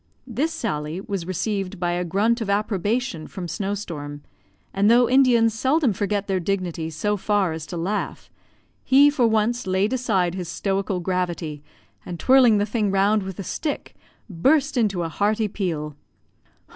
This sally was received by a grunt of approbation from Snow storm; and, though Indians seldom forget their dignity so far as to laugh, he for once laid aside his stoical gravity, and, twirling the thing round with a stick, burst into a hearty peal.